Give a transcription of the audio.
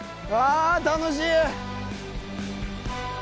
あ楽しい！